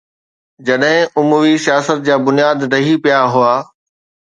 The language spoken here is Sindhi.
جڏهن اموي سياست جا بنياد ڊهي پيا هئا